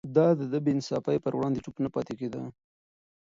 ده د بې انصافي پر وړاندې چوپ نه پاتې کېده.